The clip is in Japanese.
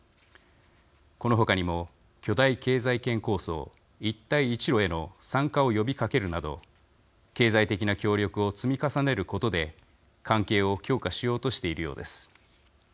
この他にも、巨大経済圏構想一帯一路への参加を呼びかけるなど、経済的な協力を積み重ねることで関係を強化しようとしているようです。